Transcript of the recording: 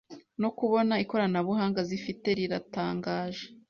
no kubona ikoranabuhanga zifite riratangaje